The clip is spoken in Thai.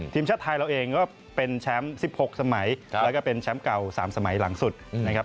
ทีมชาติไทยเราเองก็เป็นแชมป์๑๖สมัยแล้วก็เป็นแชมป์เก่า๓สมัยหลังสุดนะครับ